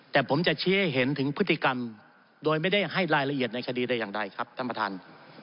แต่ผมจะชี้ให้เห็นถึงพฤติกรรมโดยไม่ได้ให้รายละเอียดในคดีใดอย่างใดครับท่านประธาน